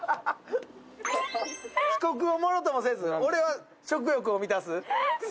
遅刻をものともせず、俺は食欲を満たす？